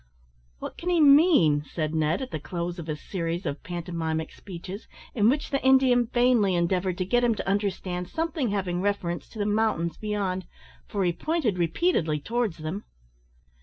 "What can he mean?" said Ned, at the close of a series of pantomimic speeches, in which the Indian vainly endeavoured to get him to understand something having reference to the mountains beyond, for he pointed repeatedly towards them.